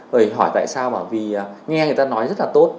bởi hỏi tại sao bảo vì nghe người ta nói rất là tốt